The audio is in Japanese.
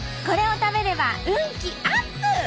これを食べれば運気アップ！